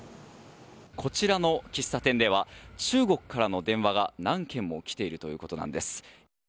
こちらの喫茶店では中国からの電話が何件も来ているということなんです。